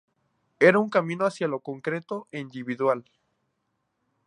Era un camino hacia lo concreto e individual.